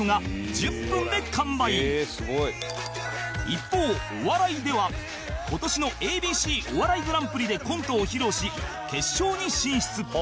一方お笑いでは今年の ＡＢＣ お笑いグランプリでコントを披露し決勝に進出